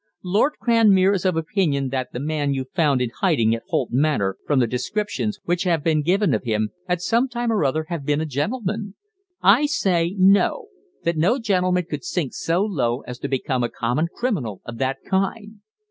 "Lord Cranmere is of opinion that the man you found in hiding at Holt must, from the descriptions which have been given of him, at some time or other have been a gentleman. I say, 'No; that no gentleman could sink so low as to become a common criminal of that kind.'